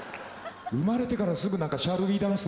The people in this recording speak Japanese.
生まれてからすぐ何か「シャル・ウィ・ダンス？」